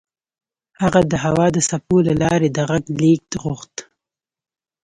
هغه د هوا د څپو له لارې د غږ لېږد غوښت